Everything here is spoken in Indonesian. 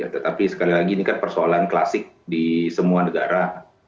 tetapi sekali lagi ini kan persoalan klasik di semua negara